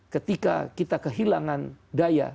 ketika kita kehilangan daya